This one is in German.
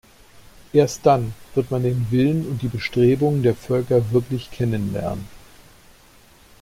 Erst dann wird man den Willen und die Bestrebungen der Völker wirklich kennen lernen.